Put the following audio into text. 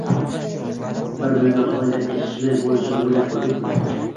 Bir million yosh oila ishli bo‘lishini o‘ylab ko‘rdikmi?